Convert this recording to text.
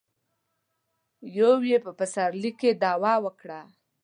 يو يې په پسرلي کې دعوه وکړه.